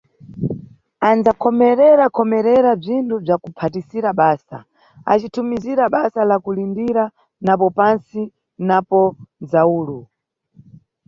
Anʼdzakhomererakhomerera bzwinthu bzwa kuphatirisira basa, acithumizira basa la kulindira, napo pantsi napo mʼdzawulu.